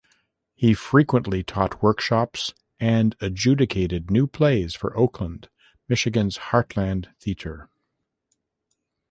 He frequently taught workshops and adjudicated new plays for Oakland, Michigan's Heartlande Theatre.